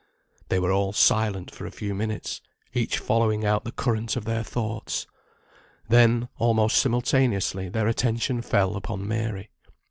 They were all silent for a few minutes; each following out the current of their thoughts. Then, almost simultaneously, their attention fell upon Mary.